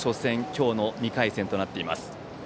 今日の２回戦となっています。